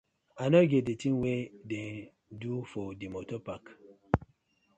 I no get di tin wey dem do for di motor park.